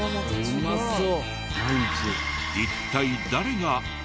うまそう。